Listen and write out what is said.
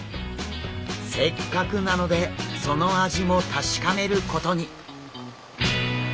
せっかくなのでその味も確かめることに。